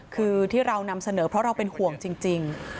คือที่เรานำเสนอเพราะเราเป็นห่วงจริง